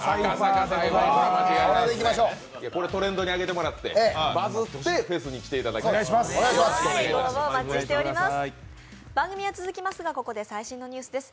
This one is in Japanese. これトレンドに上げてもらって、バズってフェスに来ていただきたい、お願いします。